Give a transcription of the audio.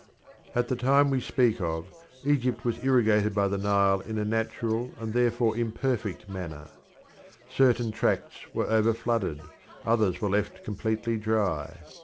At the time we speak of, Egypt was irrigated by the Nile in a natural and therefore imperfect manner. Certain tracts were overflooded; others were left completely dry.